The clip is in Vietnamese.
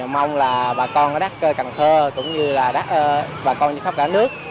mong là bà con ở đất cần thơ cũng như là bà con trên khắp cả nước